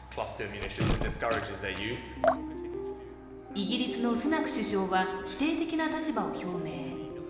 イギリスのスナク首相は否定的な立場を表明。